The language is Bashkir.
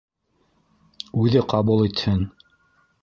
Үҙе ҡабул итһен.